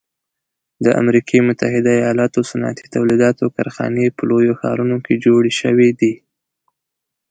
د امریکي متحده ایلاتو صنعتي تولیداتو کارخانې په لویو ښارونو کې جوړې شوي دي.